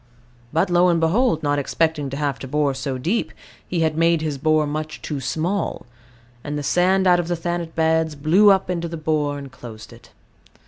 But, lo and behold, not expecting to have to bore so deep, he had made his bore much too small; and the sand out of the Thanet beds "blew up" into the bore, and closed it.